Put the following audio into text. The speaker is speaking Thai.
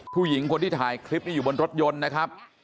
ผู้หญิงคนที่ถ่ายคลิปนี้อยู่บนรถยนต์นะครับ